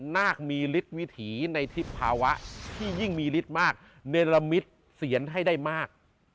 น่ากมีฤทธิในภาวะที่ยิ่งมีฤทธิมากเนรมิตเสียนให้ได้มาก